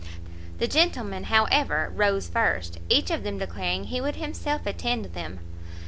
The gentlemen, however, rose first, each of them declaring he would himself attend them.